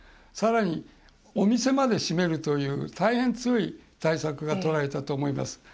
さらに、お店まで閉めるという大変強い対策がとられたと思います。